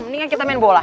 mendingan kita main bola